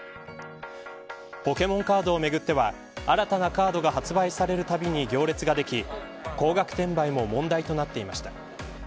ポケモンカードをめぐっては新たなカードが発売されるたびに行列ができ高額転売も問題となっていました。